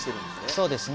そうですね。